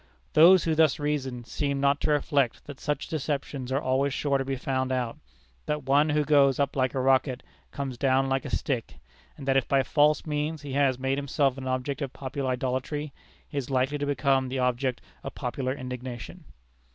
Those who thus reasoned seemed not to reflect that such deceptions are always sure to be found out; that one who goes up like a rocket comes down like a stick; and that if by false means he has made himself an object of popular idolatry, he is likely to become the object of popular indignation.